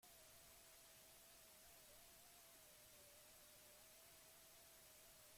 Unibertsoa infinitua denetz ez dakit ziur.